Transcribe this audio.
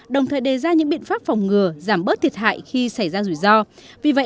đồng thời đề ra những biện pháp phòng ngừa giảm bớt thiệt hại khi xảy ra rủi ro